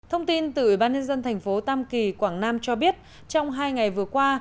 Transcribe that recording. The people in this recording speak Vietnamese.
thông tin từ ủy ban nhân dân thành phố tam kỳ quảng nam cho biết trong hai ngày vừa qua